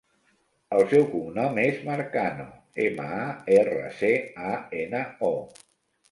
El seu cognom és Marcano: ema, a, erra, ce, a, ena, o.